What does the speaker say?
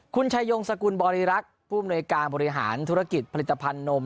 คุณชายงสกุลบริรักษ์ผู้อำนวยการบริหารธุรกิจผลิตภัณฑ์นม